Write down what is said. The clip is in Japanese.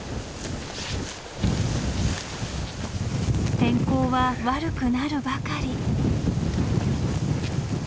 天候は悪くなるばかり。